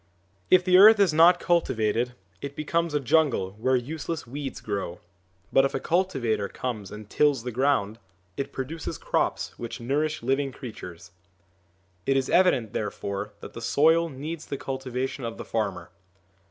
If the earth is not cultivated it becomes a jungle where useless weeds grow; but if a cultivator comes and tills the ground, it produces crops which nourish living creatures. It is evident, therefore, that the soil needs the cultivation of the farmer.